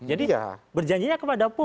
jadi berjanjinya kepada publik